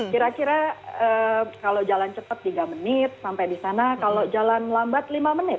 kira kira kalau jalan cepat tiga menit sampai di sana kalau jalan lambat lima menit